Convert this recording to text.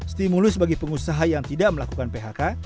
stimulus bagi pengusaha yang tidak melakukan phk